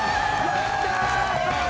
やったー！